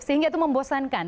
sehingga itu membosankan